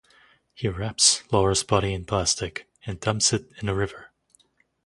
He wraps Laura's body in plastic and dumps it in a river.